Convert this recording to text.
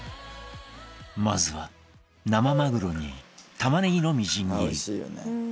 まずは、生マグロにタマネギのみじん切り。